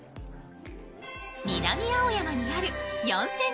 南青山にある４０００